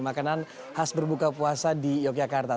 makanan khas berbuka puasa di yogyakarta